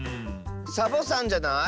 サボさんじゃない？